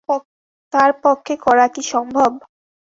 তার পক্ষে করা কি সম্ভব?